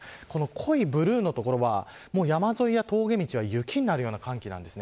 濃いブルーの所は山沿いや峠道は雪になるような寒気なんです。